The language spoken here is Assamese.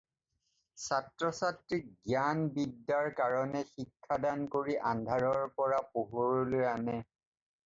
ছাত্ৰ-ছাত্ৰীক জ্ঞান-বিদ্যাৰ কাৰণে শিক্ষা দান কৰি আন্ধাৰৰ পৰা পোহৰলৈ আনে।